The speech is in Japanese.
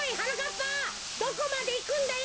ぱどこまでいくんだよ！